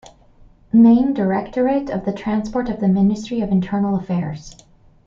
Main Directorate of the Transport of the Ministry of Internal Affairs.